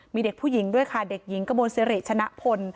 มีเด็กผู้หญิงด้วยค่ะเด็กหญิงกระมวลสิริชนะพล